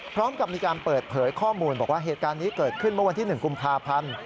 พร้อมกับมีการเปิดเผยข้อมูลบอกว่าเหตุการณ์นี้เกิดขึ้นเมื่อวันที่๑กุมภาพันธ์